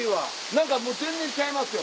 何かもう全然ちゃいますよ